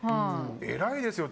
偉いですよ。